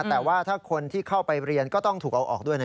แต่ว่าถ้าคนที่เข้าไปเรียนก็ต้องถูกเอาออกด้วยนะ